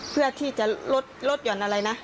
เพื่อที่จะลดหย่อนอะไรนะ